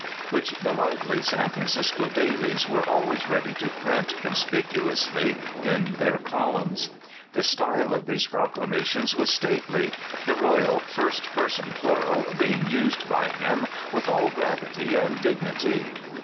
which the lively San Francisco dailies were always ready to print con spicuously in their columns. The style of these proclamations was stately, the royal first person plural being used by him with all gravity and dig nity.